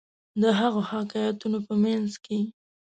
د هغو حکایتونو په منځ کې.